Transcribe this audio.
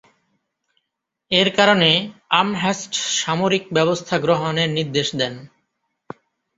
এর কারনে আমহার্স্ট সামরিক ব্যবস্থা গ্রহণের নির্দেশ দেন।